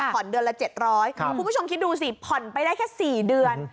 ผ่อนเดือนละเจ็ดร้อยค่ะคุณผู้ชมคิดดูสิผ่อนไปได้แค่สี่เดือน